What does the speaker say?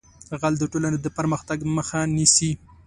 غل د ټولنې د پرمختګ مخه نیسي